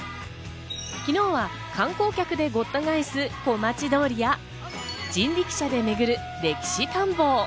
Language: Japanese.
昨日は観光客でごった返しする小町通りや、人力車で巡る歴史探訪。